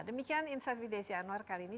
demikian insight with desi anwar kali ini